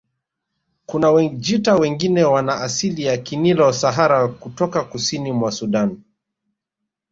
Kuna Wajita wengine wana asili ya Kinilo Sahara kutoka kusini mwa Sudan